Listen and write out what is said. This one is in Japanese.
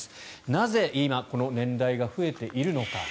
なぜ、今この年代が増えているのか。